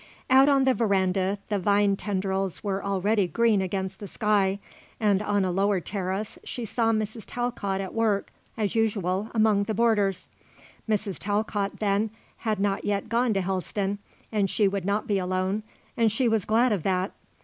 Out on the verandah the vine tendrils were already green against the sky, and on a lower terrace she saw Mrs. Talcott at work, as usual, among the borders. Mrs. Talcott then, had not yet gone to Helston and she would not be alone and she was glad of that.